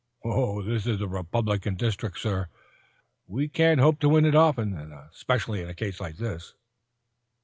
"Oh, this is a Republican district, sir. We can't hope to win it often, and especially in a case like this."